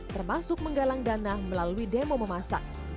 termasuk menggalang dana melalui demo memasak